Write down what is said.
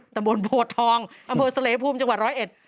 ตำรวจโภทองอเศรษฐ์เลพูมจังหวัด๑๐๑